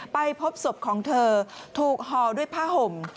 ไปพบศพของเธอถูกห่อด้วยผ้าห่ม